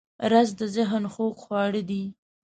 رس د ذهن خوږ خواړه دی